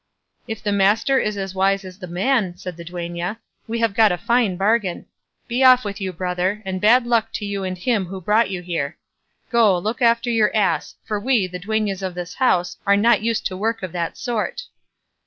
"If the master is as wise as the man," said the duenna, "we have got a fine bargain. Be off with you, brother, and bad luck to you and him who brought you here; go, look after your ass, for we, the duennas of this house, are not used to work of that sort."